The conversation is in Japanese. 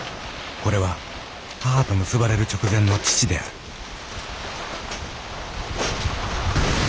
これは母と結ばれる直前の父であるかの子さん。